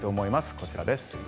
こちらです。